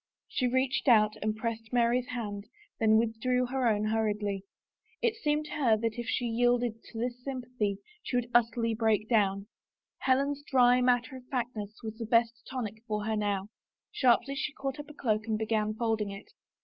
... Anne reached out and pressed Mary's hand then with drew her own hurriedly; it seemed to her that if she yielded to this s)rmpathy she would utterly break down. Helen's dry matter of f actness was the best tonic for her now. Sharply she caught up a cloak and began folding it.